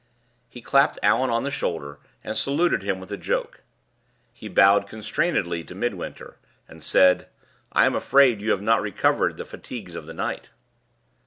He clapped Allan on the shoulder, and saluted him with a joke. He bowed constrainedly to Midwinter, and said, "I am afraid you have not recovered the fatigues of the night."